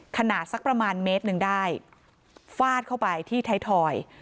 สักประมาณเมตรหนึ่งได้ฟาดเข้าไปที่ไทยทอย